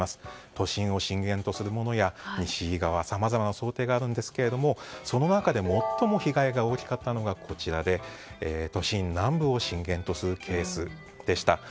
都心を震源とするものなどさまざまなものがあるんですがその中でも最も被害の大きいものがこちらで都心南部を震源とするケースでした。